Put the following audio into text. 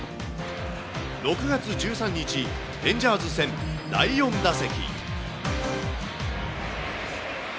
６月１３日、レンジャーズ戦第４打席。